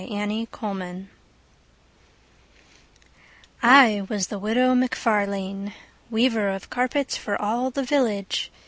Widow McFarlane I was the Widow McFarlane, Weaver of carpets for all the village.